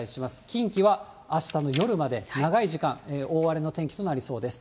近畿はあしたの夜まで、長い時間、大荒れの天気となりそうです。